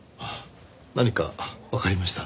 何かわかりました？